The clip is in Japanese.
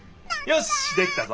よしできたぞ！